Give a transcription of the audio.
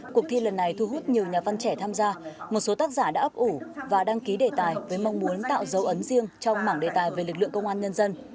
cuộc thi lần này thu hút nhiều nhà văn trẻ tham gia một số tác giả đã ấp ủ và đăng ký đề tài với mong muốn tạo dấu ấn riêng trong mảng đề tài về lực lượng công an nhân dân